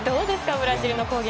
ブラジルの攻撃。